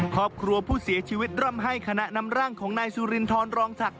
ครอบครัวผู้เสียชีวิตร่ำให้คณะนำร่างของนายสุรินทรรองศักดิ